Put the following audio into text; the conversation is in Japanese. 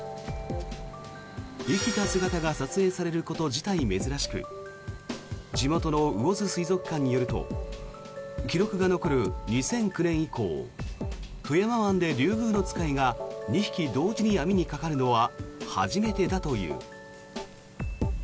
生きた姿が撮影されること自体珍しく地元の魚津水族館によると記録が残る２００９年以降富山湾でリュウグウノツカイが２匹同時に網にかかるのは初めてだという。